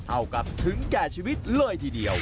เอากับถึงแก่ชีวิตเลยทีเดียว